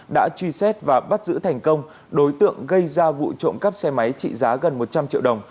đã truy xét và bắt giữ thành công đối tượng gây ra vụ trộm cắp xe máy trị giá gần một trăm linh triệu đồng